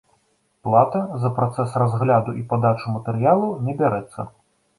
Плата за працэс разгляду і падачу матэрыялаў не бярэцца.